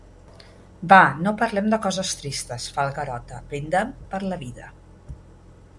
Va, no parlem de coses tristes —fa el Garota—, brindem per la vida.